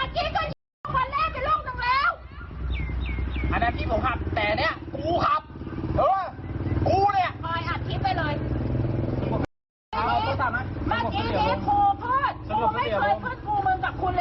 เนี่ยค่ะ